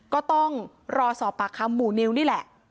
ก็ต้องรอสอบปากคำหมู่นิวนี่แหละ